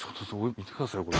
見てくださいよこれ。